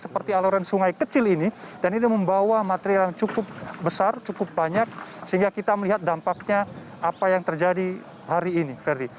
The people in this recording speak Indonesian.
seperti aluran sungai kecil ini dan ini membawa material yang cukup besar cukup banyak sehingga kita melihat dampaknya apa yang terjadi hari ini